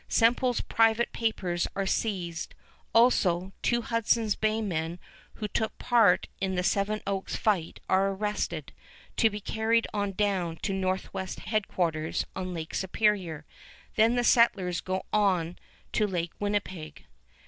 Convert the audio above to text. Semple's private papers are seized. Also, two Hudson's Bay men who took part in the Seven Oaks fight are arrested, to be carried on down to Northwest headquarters on Lake Superior. Then the settlers go on to Lake Winnipeg.